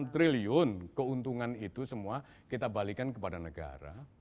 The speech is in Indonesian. dua puluh triliun keuntungan itu semua kita balikkan kepada negara